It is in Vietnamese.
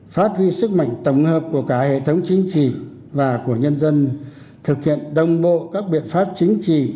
phát huy sức mạnh tổng hợp của cả hệ thống chính trị và của nhân dân thực hiện đồng bộ các biện pháp chính trị